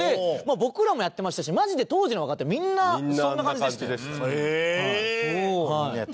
僕らもやってましたしマジで当時の若手みんなそんな感じでしたよ。